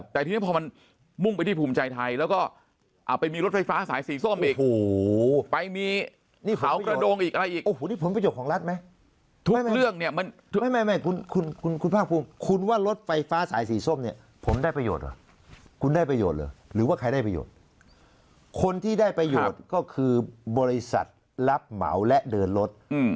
แต่ทีนี้พอมันมุ่งไปที่ภูมิใจทลาย